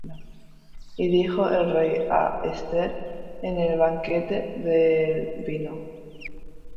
Y dijo el rey á Esther en el banquete del vino: